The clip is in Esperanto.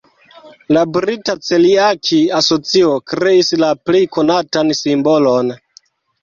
La Brita celiaki-asocio kreis la plej konatan simbolon.